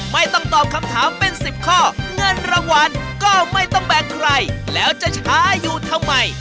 ไม่ต้องตอบคำถามเป็น๑๐ข้อเงินรางวัลก็ไม่ต้องแบ่งใครแล้วจะช้าอยู่ทำไม